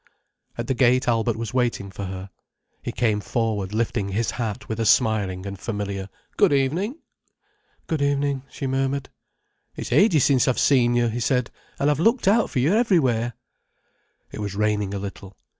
At the gate Albert was waiting for her. He came forward lifting his hat with a smiling and familiar "Good evening!" "Good evening," she murmured. "It's ages since I've seen you," he said. "And I've looked out for you everywhere." It was raining a little.